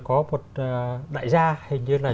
có một đại gia hình như là